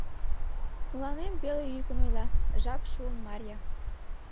Мыланем пеле йӱкын ойла: «Жап шуын, Марья.